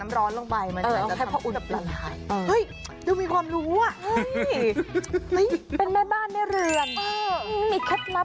มันมีกวิ่งความรู้เกิดละ